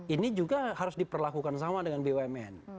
ini juga harus diperlakukan sama dengan bumn